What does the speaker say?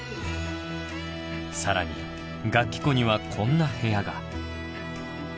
更に楽器庫にはこんな部屋が。